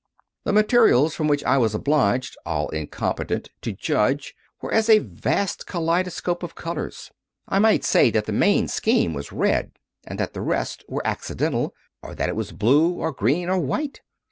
The materials from which I was obliged, all incompetent, to judge, were as a vast kaleidoscope of colours. I might say that the main scheme was red and that the rest were accidental, or that it was blue or green or white.